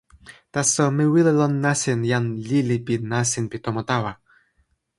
taso mi wile lon nasin jan lili pi nasin pi tomo tawa.